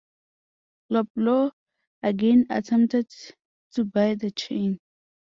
Loblaw again attempted to buy the chain.